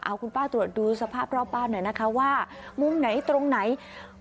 เอาคุณป้าตรวจดูสภาพรอบบ้านหน่อยนะคะว่ามุมไหนตรงไหน